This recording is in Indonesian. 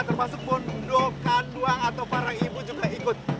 termasuk pun dokan doang atau para ibu juga ikut